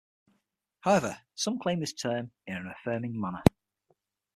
However, some claim this term in an affirming manner.